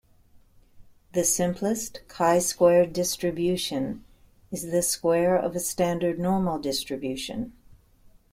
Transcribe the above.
The simplest chi-squared distribution is the square of a standard normal distribution.